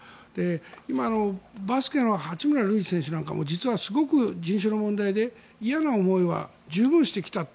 今、バスケの八村塁選手なんかも今すごく人種の問題で嫌な思いは十分してきたと。